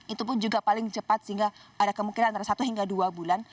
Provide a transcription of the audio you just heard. itu pun juga paling cepat sehingga ada kemungkinan antara satu hingga dua bulan